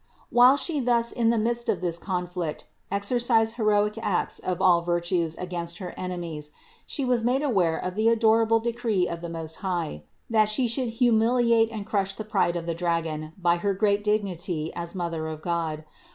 370. While She thus in the midst of this conflict exer cised heroic acts of all the virtues against her enemies, She was made aware of the adorable decree of the Most High, that She should humiliate and crush the pride of the dragon by her great dignity as Mother of God.